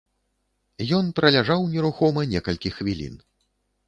Ён праляжаў нерухома некалькі хвілін.